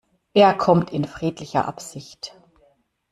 Er kommt in friedlicher Absicht.